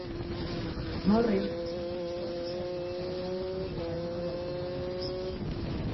Morris reside na súa reserva traballando como mecánico de automóbiles.